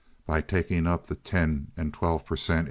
By taking up the ten and twelve per cent.